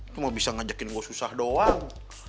lu mau bisa ngajakin gue susah doang